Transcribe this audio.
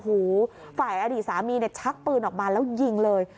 อู๋ฝ่ายอดีตสามีชักปืนออกมาแล้วยิงเลย